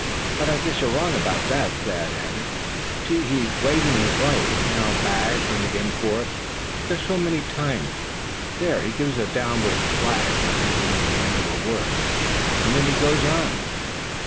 "But I guess you're wrong about that," Thad added, quickly; "see, he's waving his light, now back, and again forward, just so many times. There, he gives it a downward flash that must mean the end of a word; and then he goes on."